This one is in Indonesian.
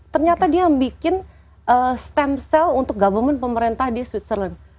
ternyata dia bikin stem cell untuk government pemerintah di switzerland